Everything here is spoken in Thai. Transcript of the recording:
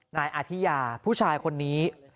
นายอาธิยาผู้ชายคนนี้